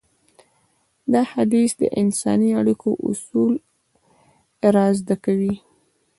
دا حديث د انساني اړيکو اصول رازده کوي.